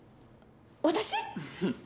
私？